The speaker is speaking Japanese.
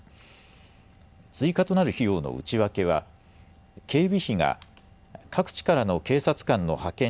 追加となる費用の内訳は警備費が各地からの警察官の派遣